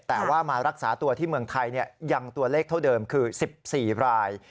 แต่ว่ามารักษาตัวที่เมืองไทยยังตัวเลขเท่าเดิมคือ๑๔ราย